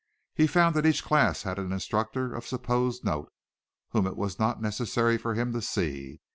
He found that each class had an instructor of supposed note, whom it was not necessary for him to see.